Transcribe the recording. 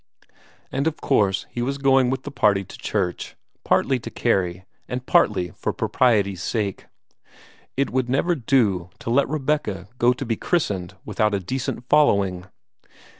And of course he was going with the party to church, partly to carry, and partly for propriety's sake. It would never do to let Rebecca go to be christened without a decent following!